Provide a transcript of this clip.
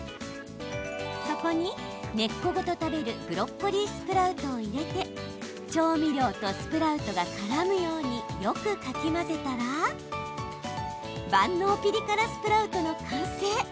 そこに、根っこごと食べるブロッコリースプラウトを入れて調味料とスプラウトがからむようによくかき混ぜたら万能ピリ辛スプラウトの完成！